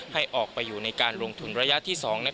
ให้ออกไปอยู่ในการลงทุนระยะที่๒